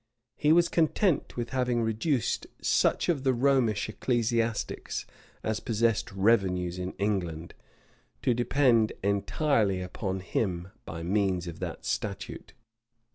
[] He was content with having reduced such of the Romish ecclesiastics as possessed revenues in England, to depend entirely upon him by means of that statute.